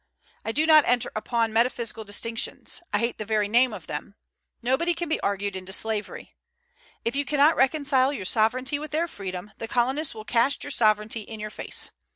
I do not enter upon metaphysical distinctions, I hate the very name of them. Nobody can be argued into slavery. If you cannot reconcile your sovereignty with their freedom, the colonists will cast your sovereignty in your face.